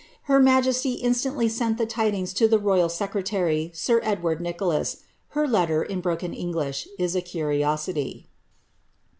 Her ma ntly sent the tidings to the royal secretary, sir Edward Ni ler letter, in broken English, is a curiosity.